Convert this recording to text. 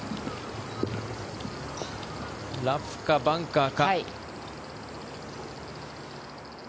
ラフかバンカーか。